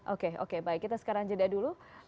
oke oke baik kita sekarang jeda dulu